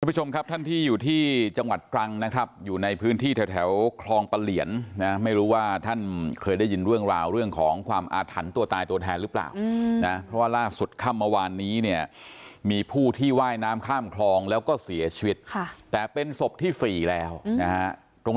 ผู้ชมครับท่านที่อยู่ที่จังหวัดตรังนะครับอยู่ในพื้นที่แถวแถวคลองปะเหลียนนะไม่รู้ว่าท่านเคยได้ยินเรื่องราวเรื่องของความอาถรรพ์ตัวตายตัวแทนหรือเปล่านะเพราะว่าล่าสุดค่ำเมื่อวานนี้เนี่ยมีผู้ที่ว่ายน้ำข้ามคลองแล้วก็เสียชีวิตค่ะแต่เป็นศพที่สี่แล้วนะฮะตรง